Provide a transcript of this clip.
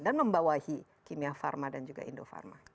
dan membawahi kimia farma dan juga indofarma